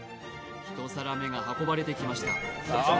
１皿目が運ばれてきました